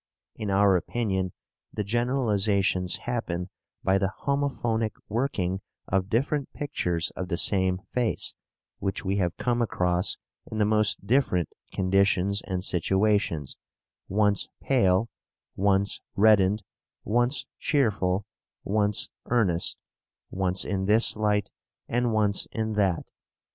In our opinion, the generalizations happen by the homophonic working of different pictures of the same face which we have come across in the most different conditions and situations, once pale, once reddened, once cheerful, once earnest, once in this light, and once in that.